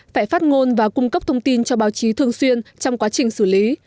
phải phát ngôn và cung cấp thông tin cho báo chí thường xuyên trong quá trình xử lý